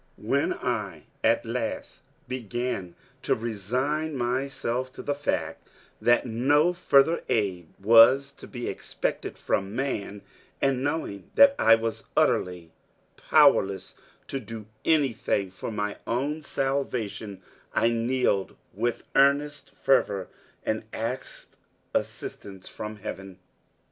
When I at last began to resign myself to the fact that no further aid was to be expected from man, and knowing that I was utterly powerless to do anything for my own salvation, I kneeled with earnest fervor and asked assistance from Heaven.